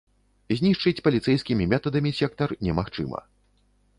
Знішчыць паліцэйскімі метадамі сектар немагчыма.